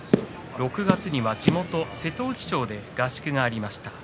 ６月には地元の瀬戸内町で合宿がありました。